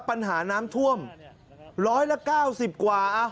ปัญหาน้ำท่วมร้อยละเก้าสิบกว่าอ่ะ